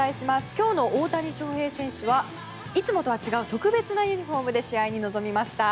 今日の大谷翔平選手はいつもとは違う特別なユニホームで試合に臨みました。